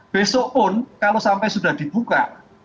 besok pun kalau sampai sudah dibuka